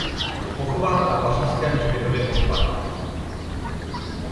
Je pochován na pařížském hřbitově Montparnasse.